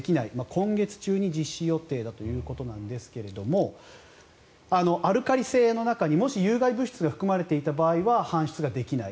今月中に実施予定だということですがアルカリ性の中に、もし有害物質が含まれていた場合は搬出ができない。